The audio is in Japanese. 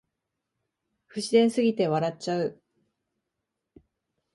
不自然すぎて笑っちゃう